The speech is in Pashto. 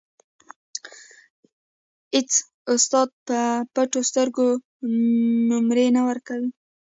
اېڅ استاد په پټو سترګو نومرې نه ورکوي.